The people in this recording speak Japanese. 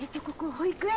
保育園！